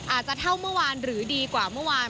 อาจจะเท่าเมื่อวานหรือดีกว่าเมื่อวาน